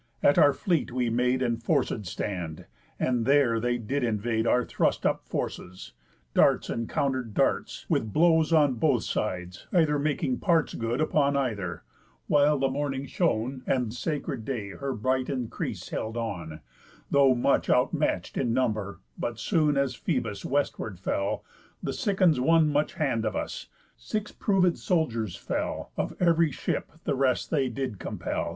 At our fleet we made Enforcéd stand; and there did they invade Our thrust up forces; darts encounter'd darts, With blows on both sides; either making parts Good upon either, while the morning shone, And sacred day her bright increase held on, Though much out match'd in number; but as soon As Phœbus westward fell, the Cicons won Much hand of us; six proved soldiers fell, Of ev'ry ship, the rest they did compel!